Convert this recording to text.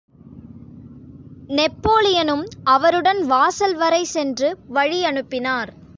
நெப்போலியனும் அவருடன் வாசல் வரை சென்று வழியனுப்பினார்.